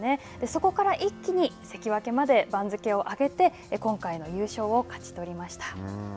そこから一気に関脇まで番付を上げて、今回の優勝を勝ち取りました。